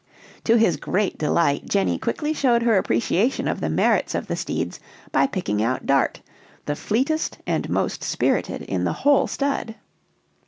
To his great delight, Jenny quickly showed her appreciation of the merits of the steeds by picking out Dart, the fleetest and most spirited in the whole stud.